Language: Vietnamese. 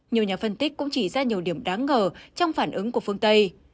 nhiều nhà phân tích cũng chỉ ra nhiều điểm đáng ngờ trong phản ứng của phương tây